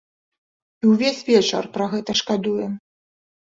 І ўвесь вечар пра гэта шкадуем.